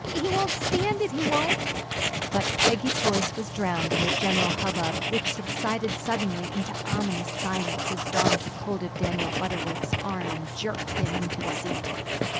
He won't stand it, he won't." But Peggy's voice was drowned in the general hubbub, which subsided suddenly into ominous silence as Dawn took hold of Daniel Butterworth's arm and jerked him into the seat.